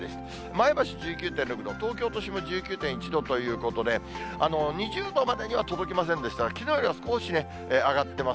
前橋１９．６度、東京都心も１９．１度ということで、２０度までには届きませんでしたが、きのうよりは少し上がってます。